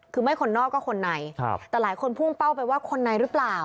คือไม่คนนอกก็คนในแต่หลายคนพุ่งเป้าไปว่าคนในหรือเปล่า